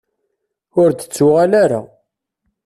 Ur d-tettuɣal ara.